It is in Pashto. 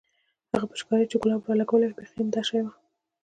هغه پيچکارۍ چې ګلاب رالګولې وه بيخي همدا شى وه.